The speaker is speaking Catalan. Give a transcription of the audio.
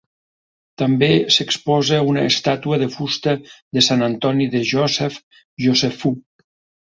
També s'exposa una estàtua de fusta de Sant Antoni de Josef Josephu.